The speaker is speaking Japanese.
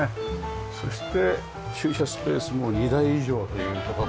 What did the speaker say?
そして駐車スペースも２台以上という事で。